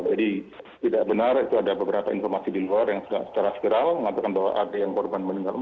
jadi tidak benar itu ada beberapa informasi di luar yang secara skeral mengatakan bahwa ada yang korban meninggal empat